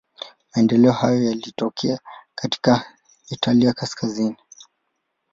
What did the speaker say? Maendeleo hayo yalitokea katika Italia kaskazini.